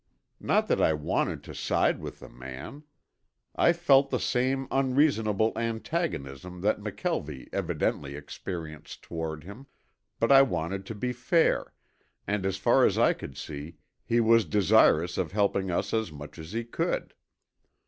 Not that I wanted to side with the man. I felt the same unreasonable antagonism that McKelvie evidently experienced toward him, but I wanted to be fair, and as far as I could see he was desirous of helping us as much as he could.